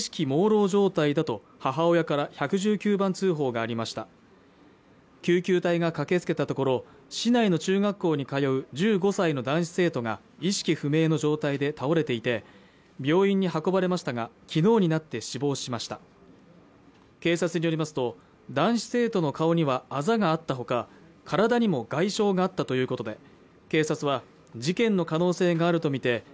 もうろう状態だと母親から１１９番通報がありました救急隊が駆けつけたところ市内の中学校に通う１５歳の男子生徒が意識不明の状態で倒れていて病院に運ばれましたが昨日になって死亡しました警察によりますと男子生徒の顔にはあざがあったほか体にも外傷があったということで